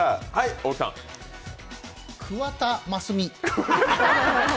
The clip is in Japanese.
桑田真澄？